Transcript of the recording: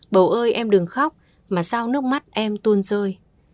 bầu ơi em đừng khóc mà sao nước mắt em tuôn rơi